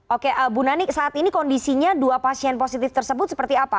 oke bu nanik saat ini kondisinya dua pasien positif tersebut seperti apa